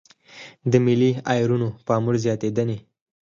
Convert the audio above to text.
د ملي ايرونو پاموړ زياتېدنې.